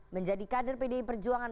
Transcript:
menjadi kader pdi perjuangan